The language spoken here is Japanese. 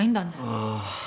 ああ。